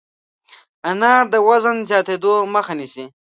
انار د وزن زیاتېدو مخه نیسي.